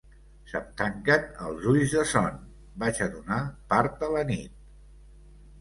Se'm tanquen els ulls de son. Vaig a donar part a la nit.